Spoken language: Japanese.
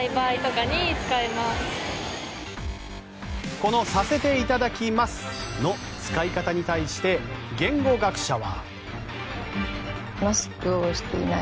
この「させていただきます」の使い方に対して言語学者は。